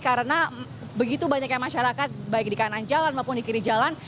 karena begitu banyaknya masyarakat baik di kanan jalan maupun di kiri jalan